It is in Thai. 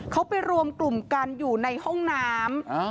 เขาไปรวมกลุ่มกันอยู่ในห้องน้ำ